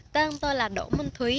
tên tôi là đỗ minh thúy